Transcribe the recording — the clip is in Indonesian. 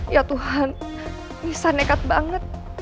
ya tuhan bisa nekat banget